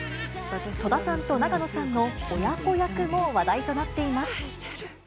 戸田さんと永野さんの親子役も話題となっています。